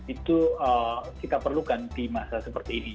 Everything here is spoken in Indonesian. itu kita perlukan di masa seperti ini